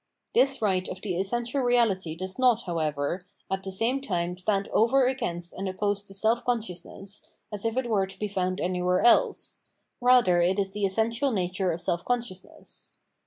*' This right of the essential reality does not, however, at , the same time stand over against and opposed to self consciousness, as if it were to be found anywhere else ; rather it is the essential nature of self consciousness.